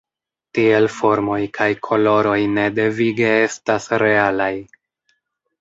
Tiel formoj kaj koloroj ne devige estas realaj.